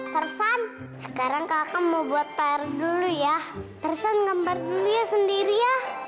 tarzan sekarang kakak mau buat tar dulu ya tarzan gambar dulu ya sendiri ya